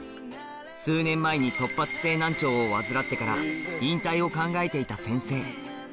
数年前にを患ってから引退を考えていた先生